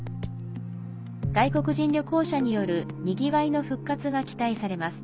外国人旅行者によるにぎわいの復活が期待されます。